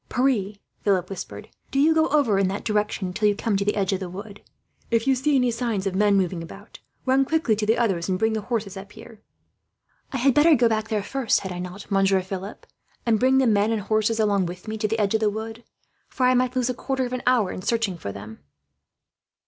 "Pierre," Philip whispered, "do you go over in that direction, until you come to the edge of the wood. If you see any signs of men moving about, run quickly to the others, and bring the horses up here." "I had better go back there first, had I not, Monsieur Philip, and bring the men and horses along with me to the edge of the wood? For I might lose a quarter of an hour in searching for them."